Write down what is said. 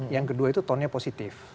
yang kedua itu tonnya positif